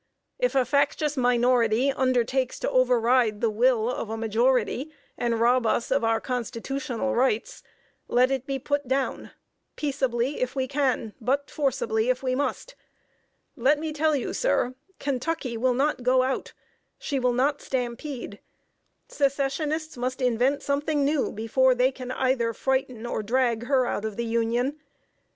If a factious minority undertakes to override the will of the majority and rob us of our constitutional rights, let it be put down peaceably if we can, but forcibly if we must. Let me tell you, sir, Kentucky will not 'go out!' She will not stampede. Secessionists must invent something new, before they can either frighten or drag her out of the Union.